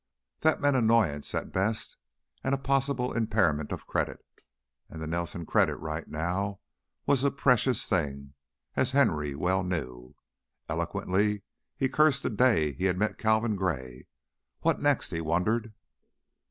That meant annoyance, at best, and a possible impairment of credit, and the Nelson credit right now was a precious thing, as Henry well knew. Eloquently he cursed the day he had met Calvin Gray. What next, he wondered.